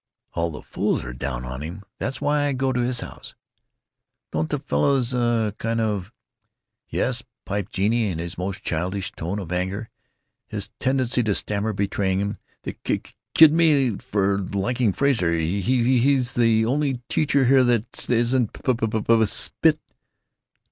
"All the fools are down on him. That's why I go to his house." "Don't the fellows—uh—kind of——" "Yes," piped Genie in his most childish tone of anger, his tendency to stammer betraying him, "they k kid me for liking Frazer. He's—he's the only t teacher here that isn't p p p——" "Spit!"